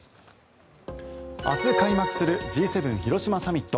明日開幕するＧ７広島サミット。